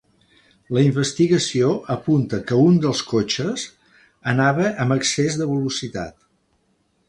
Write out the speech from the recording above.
La investigació apunta que un dels cotxes anava amb excés de velocitat.